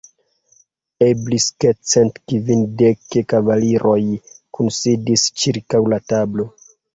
Eblis ke cent kvindek kavaliroj kunsidis ĉirkaŭ la tablo.